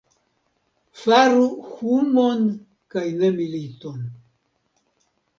Faru humon kaj ne militon!